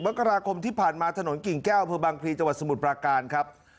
มกราคมที่ผ่านมาถนนกิ่งแก้วอำเภอบางพลีจังหวัดสมุทรปราการครับ